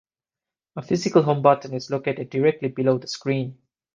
A physical home button is located directly below the screen.